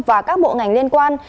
và các bộ ngành liên quan